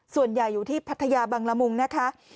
ส่วนใหญ่อยู่ที่พัทยาบังละมุงนะคะ